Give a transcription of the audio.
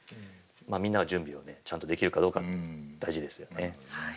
みんなが準備をちゃんとできるかどうか大事ですよね。